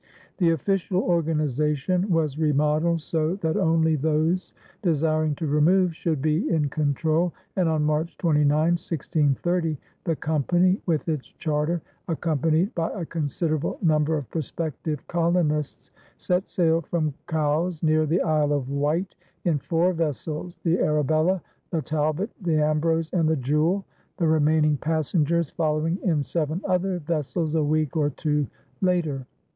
The official organization was remodeled so that only those desiring to remove should be in control, and on March 29, 1630, the company with its charter, accompanied by a considerable number of prospective colonists, set sail from Cowes near the Isle of Wight in four vessels, the Arabella, the Talbot, the Ambrose, and the Jewel, the remaining passengers following in seven other vessels a week or two later.